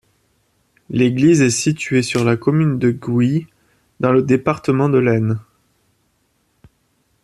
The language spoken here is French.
L'église est située sur la commune de Gouy, dans le département de l'Aisne.